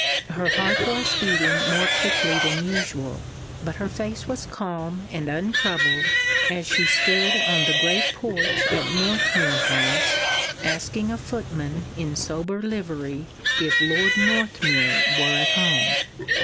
Her heart was beating more quickly than usual, but her face was calm and untroubled, as she stood on the great porch at Northmuir House, asking a footman in sober livery if Lord Northmuir were at home.